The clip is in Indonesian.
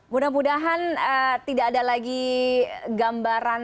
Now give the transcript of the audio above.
mudah mudahan tidak ada lagi gambaran